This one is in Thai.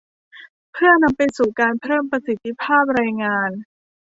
เพื่อนำไปสู่การเพิ่มประสิทธิภาพแรงงาน